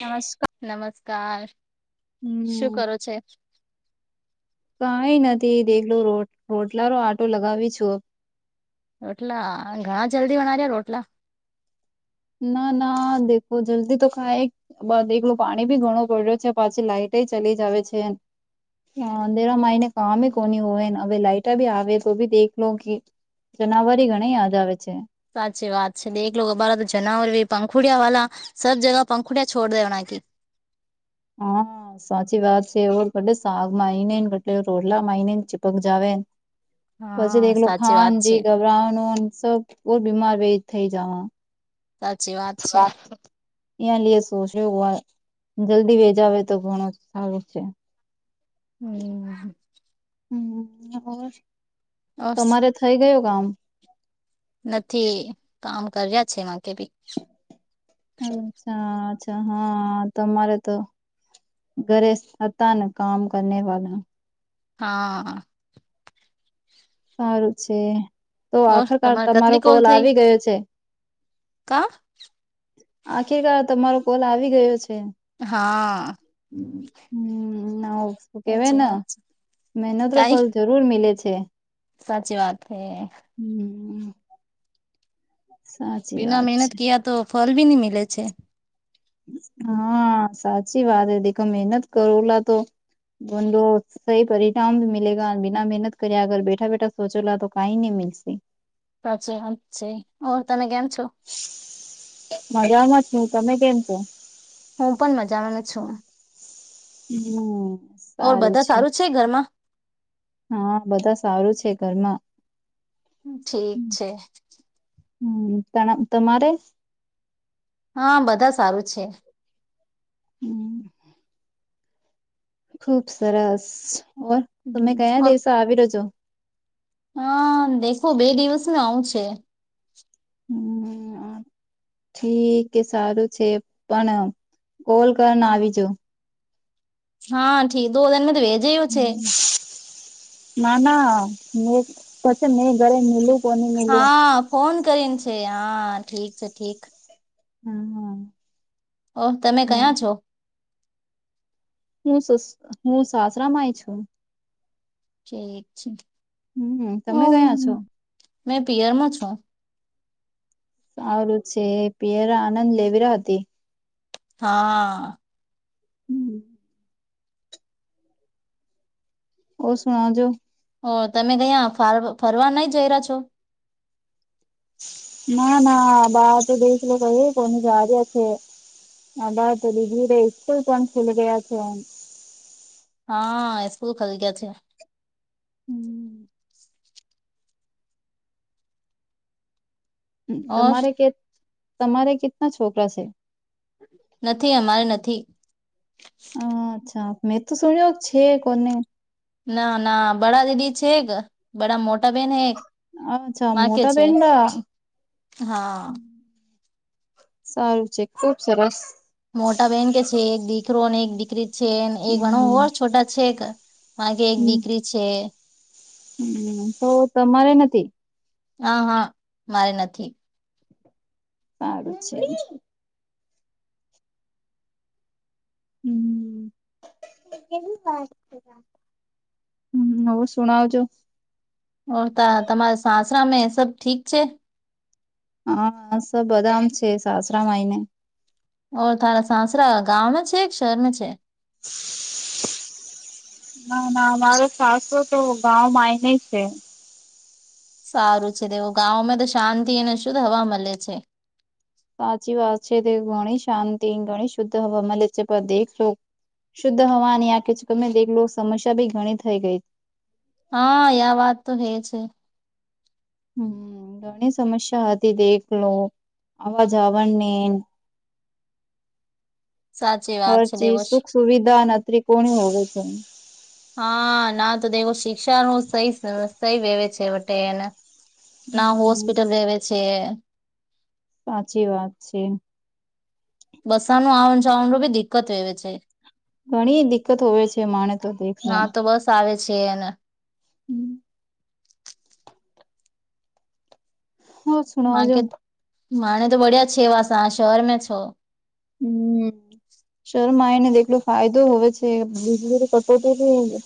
નમસ્કા નમસ્કાર. હમ્મ. શું કરો છે? કઈ નથી દેખલો રો રોટલારો આટો લગાવી છું. રોટલા ઘણા જલ્દી વણાર્યા રોટલા? ના ના દેખો જલ્દી તો ખાય બસ એકલું પાણી ભી ઘણું પડ્યો છે પાછી લાઈટ ચલી જાવે છે. હાંધરા માઇને કામ કોની હોય અવે લાઇટર ભી આવે તો ભી દેખલો લો કે જનાબરી ઘણી યાદ આવે છે. સાચી વાત છે ને એક લોકો અમા તો જનાવર બી પંખુડિયા વાળા સબ જગા પંખુડીયા છોડ દેવાના કે. હા. સાચી વાત છે, એ કાલે સાગ મા આવીને રોટલા માઇનેને ચિપક જાવે. પછી હા દેખલો સાચી વાત છે ખાનજી ગબરાનું સ બહુ બીમાર થઇ જાય. સાચી વાત છે વા. ત્યાં લઈએ શો છે જલ્દી વેજ આવેે તો ઘણો જ સારું છે. હમ્મ. હમ્મ, ઓર તમારે થઇ ગયું કામ? નથી કામ કર્યા છે એમાં કે ભી અચ્છા અચ્છા, હા તમારે તો ઘરે હતાને કામ કરનેવાલા. હા. સારું છે, તો ઓર આખરકાર તમારે તમારો કેટલી કોલ થઈ આવી ગયો છે. કા? આખિરકાર તમારો કોલ આવી ગયો છે. હા. હવ શું કેવાય સાચી ને વાત મહેનત છે કઈ ફલ જરૂર મિલે છે. સાચી વાત હૈ. હમ્મ. બિના મહેનત છે કયા તો ફલ ભી ન મીે છે હા સાચી વાત હ દેખો મહેનત કરો લ તોડો સહી પરિણામ મિલેગ બિના મહેનત કરે અગર બેઠા બેઠા સોચોલા તો કઈ ન મીશે પાછ અચ છે તમે કેમ છો મજામાં છું તમે કેમ છો હું પણ મજા મા છું હમ ઓર સારું બધા છે છે ઘરમાં હા બધા સારું છે ઘરમાં ઠીક છે હમ ત તમારે હા બધા સારું છે હમ ખુબ સરસ ઓર તમે કયા ઓર દિવસો આવી રહ્યોજો હા દેખો બે દિવસ ન આવું છે હમ ઠીક સારું છે પણ કોલ કરને આવીજો હા ઠીક દો દનને દવેજ ના ના મે પછી મેં ઘરે મીલું હા ફોન કરીને છે હા ઠીક છે ઠીક હા હા ઓ તમે કયા છો હું સસ હું સસરામાંય છું ઠીક છે હમ તમે કયા છો હું મેં પિયરમાં છું સારું છે પિયરા આનંદ લેવીરા હતી હા હમ. ઓ સુના જો હ તમે કયા ફર ફરવા નઈ જઈ રહ્યા છો ના ના બા તો દઈ ક કોને જાાર છે અા તો દીધીરેસ્કૂલ પણ ખુલી ગયા છેો હા એકુલ ખોલ ગ છે હમ. હ ઓર તમારે કે તમારે કેટના છોકરા છે નથી અમારે નથી હ અચ્છા મે તો શણ્યો છે કોને ના ના બડા દેદી છે એક બડા મોટા બેન હૈ અચ્છા મોટા પન્ડા હા સારું છે ખુબ સરસ મોટા બેહેન કે છે એક દીકરો ને એક દીકરી છેને એક ભણ હમ. હોર છોટા છે આગે એક હમ દીકરી છે હમ તો તમારે નથી હા હા મારે નથી સારું છે હમ એ હમ હવ શ સુણઉ છું ઓ ત તમારા સાસરા સબ ઠીક છે હા સ બધા આમ છે સાસરામાં આવીને ઓ થારા સાસરા ગા મે છે કે શહેરમાં છે ના ના મારો સાસો તો ગાં માં એને છે સારું છે દેવું ગામંમાં તો શાંતિ ને શુંદ્ધ હવા મળે છે. સાચી વાત તે ગણી શાંત ગણી શુદ્ધ હવા માંલે ચ પર દખો શુદ્ધ હવાની આંખે છે તમે દેખ લો સમસ્યા બી ઘણી થઈ ગઈ. હા યા વાત તો હે છે. હમ ઘણી સમસ્યા હતી દેખ લો અવાજાવરને [inaudible] સાચી વાત છે હરચીજ દેવો સુખ સુવિધા ન અત્રી કોણ હવે છે. હા ના તો દેખો શિક્ષાનું સ સહી વેવે છે વટેને ના હમ હોસ્પિટલ રેવે છે. સાચી વાત છે. બસાનું આવન જાવણનું બી દિકકત વહેવે છે. ઘણી દિકકત હોવે છે માને તો દેખલો ના તો બસ આવે છે એને હમ હો મા સુણાવજો કે મહણ તો બઢિયા છેવાશે શહેરમાં છો હમ શરમાં એઇને દેખલો ફાયદો હોવે છે બીજલી રી કટોટી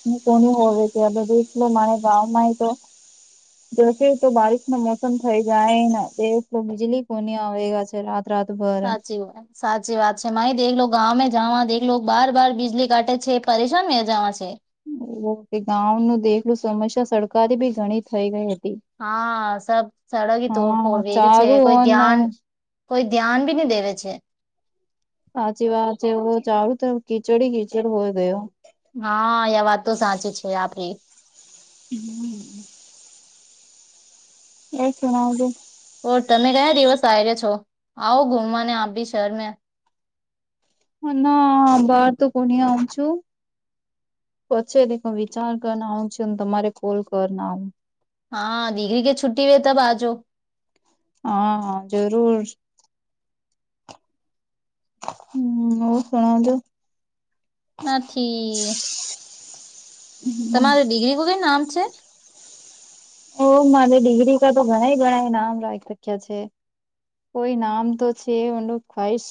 બી કોની હોવે એ અબે દેખ લો મારે બાવા માઈ તો દસે તો બારીશ ન મોસમ થઈ જાય ને દ તો બીજળી કોની આવે ગ છે રાત રાતભર સાચી હોય સાચી વાત છે માઈ દેલો ગામે જવા દેખલો બાર બાર બિજળી કાટે છે પરેશાન મે જવા છે. ઓ કે ગાંવ નુ દેખલું સમસ્યા સરકારી બી ઘણી થઈ ગઈ હતી. હા સબ સડગ હા તોડફોડ વરું છે ચારું કોઈ ઓન ધ્યાન કોઈ ધ્યાન ભી ની દેવે છે. સાચી વાત એવ ચારું તો કીચડી કીચડ હોય ગયો. હા યા વાત તો સાચી છે આપરી હમ એક શુણા જ ઓ તમે કયા દિવસ આ રહ્યા છો આવો ગુમવાને આપ બી શરમે હ ના બાર તો કોણી આવઉ છું. પછી દિખા વિચાર કર ના આવ છુ તમારે કોલ કર ના આવું હા દીગ્રી કે છુટી વે તબ આવજો હા હ જરૂર હમ ઓ સુણાવ જો નથી તમારે ડિગ્રી કો કઈ નામ છે. ઓ મારે ડિગ્રી ક તો ઘણાઇ ઘણા નામ રાખી રખ્યા છે. કોઈ નામ તો છે ઓનુ ખવ્વાઇશ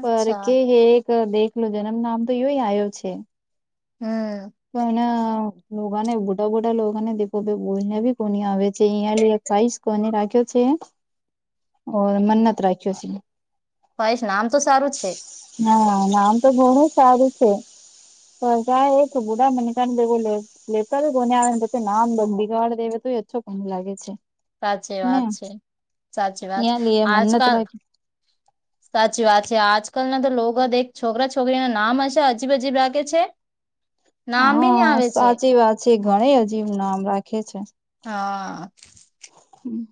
પર અચ્છા કે હે એક દેખલ જન્મ નામ તો યોય આવ્યો છે. હમ પણ લોગા ને બોડા ભોટ લોગને દેખ બોઈને ભી કો આવે છે ઈય લીય ખવ્વાઇશ કોને રાખ્યો છે. હ ઓર મન્નત રાખ્યો છ ખાહાઈશ નામ તો સારું જ છે. ના નામ તો ઘણું સારું છે. પર કા એ તો બુડા મનેકા દે કો લે લેતા કોને આવે ને પચે નામ બ બીગાડ દેવે તોઇ ઓચ્છો કોને લાગે છે. સાચી ને વાત છે, સાચી વાત છે, ત્યાં લઈએ મન્નત આજકાલ રાખી સાચી વાત છે આજકાલના તો લોકો જ એક છોકરા છોકરી ના નામ હશે અજીબ અજીબ રાખે છે. [inaudible] નામ બી નહી હા આવે છે સાચી વાત છે. ઘણી અજીબ નામ રાખે છે. હા, હમ્મ,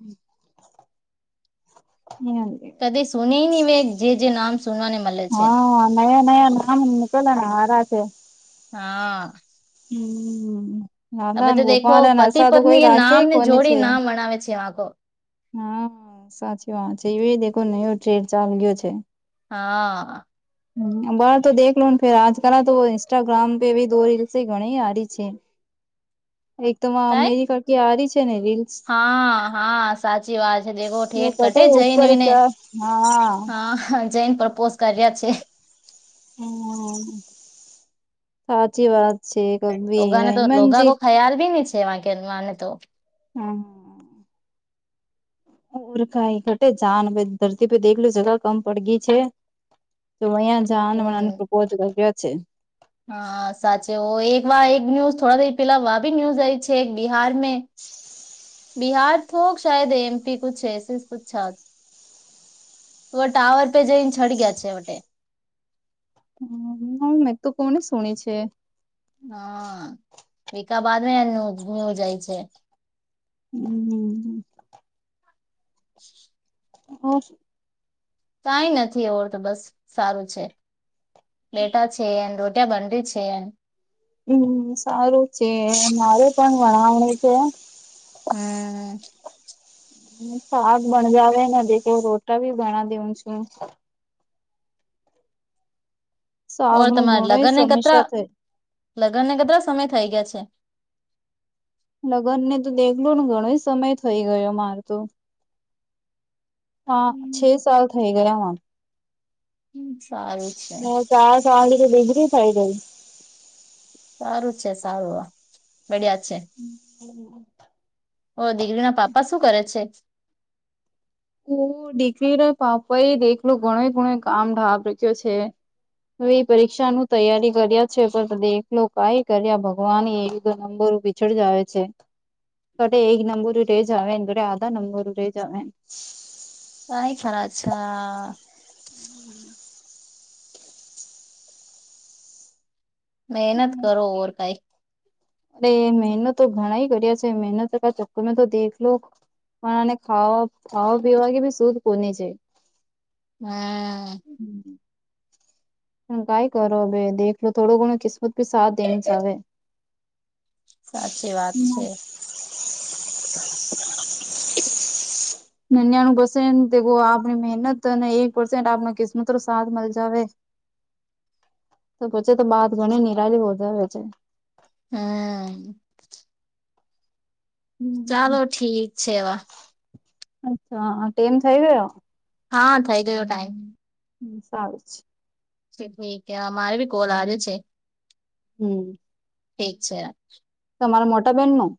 હમ્મ, એને, સુને નવે જે જે નામ સુનવાને મળે છે હા નયા નયા નામ મકલા મારા છ. હા, હમ્મ, હવે રાધા તો દેખો ગોપાળને નશા તો કોઈ રાખે કોને છે. મણાવે છે. આગ હા સાચી વાત છે. એ દેખો નયો ટ્રેડ ચાલ ગયો છે. હા, હ, બાર તો દેખલો લો ફ આજ કલ તો ન્સ્ટાગ્રામ પે ભી દ રીલસ ઘણી આ ર છે. [inaudible] એક તો કઈ અમેરિકાકી આારી છે ને રીલ હા હા સાચી વાત છે દેખો વો ઠેઠ પતા કટે હે ઉપર સ જઈનેને હા હા જૈન પ્રપોઝ કર્યા છે. હમ્મ, સાચી વાત શ ક લોગાને તો લોગા કો ખ્યાલ ભી ન છે. વા કેને તો હા, ઉરખાાઈ ઘટે જાન ભ ધરતી પે દેખલું જગ કમ પડ ગઈ છે. તો અહં જનું હમ પ્રપોઝ કર્યો છે. હા સાચી એક વા એક ન્યૂઝ થોડા પેલા વા બી ન્યુઝ છે છે બિહાર મે બિહાર થ શાયદ એમપી કુછ એ પછા ત ટાાવર પે જે છડી છેટે હ હ મેં તો કોને શણી છે હા વિકા બાદ એ ઘુમ્યું જાય છે હમ [inaudible] હ કંઈ નથી એવો તો બસ સારું છે બેલેટા છે એન રોટિયા બનતી છેન હમ સારું છે મારું પણ વણવણું છે હમ હ શાક ભણજાવે નથી દ ક રોટા ભી ભણ દેઉં છું શાક ઓર નું તમારે ઘણો લગ્નને કદરા સમસ્યા થઈ લગ્નને કતરા સમય થઈ ગયા છે લગ્ન ને તો દેખલ ને ઘણો સમય થઈ ગયો માર તો હા છે સાલ થઇ ગયા હ સારું છે હ ચાર સાવાડી બીજરી થાય ર સારું છે સારું બડિયાદ છે ઓ દીકરી ના પાપા શું કરે છે હું દીકરી ર પાપાઈ દેખલો ઘણો ગુણ કામ ઢાબ ર્યો છે. હવે એ પરીક્ષા ન તૈયારી કર્યા છે. પણ દેખલો કઈ કર્યા ભગવાન એયુધ નંબરભી પાછળ જ આવે છે. તો એક નંબર રે જ આવે તો આધા નંબર રે જ આવે. [inaudible] કઈ ખરા છા. મહેનત કરો ઔર કાઇ. અરે મહેનત તો ઘણાાય કર્યા છે, મહેનત ચક્કર તો દેખ લો પણને ખાવા, ખાવા પીવા કે ભી સુધ કોની છે. હમ્મ હમ્મ પણ કઈ કરો ભાઈ દેખલો થોડો ઘણો કિસ્મત ભી સાથ દે છે હવે સાચી વાત છે. નન્યાણું પસેન્ટ આપણી મહેનત અને એક પસેન્ટ આપનો કિસ્મ તો સાથ મળ જાવે તો પછે તો બાદ ઘણી નિરાલી હો જાવે છે. હમ્મ ચાલો, ઠીક છે અચ્છા, ટાઈમ થઇ ગયો હા, થઈ ગયો ટાઈમ હમ્મ સારું જ ઠીક અમારે ભી કોલ આજે છે હમ્મ. ઠીક છે. તમારા મોટા બેન નું